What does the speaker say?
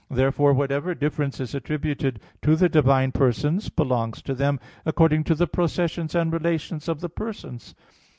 Therefore whatever difference is attributed to the divine Persons belongs to them according to the processions and relations of the Persons.